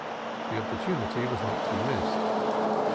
The opportunity was not to be missed.